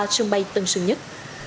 sân bay tân sơn nhất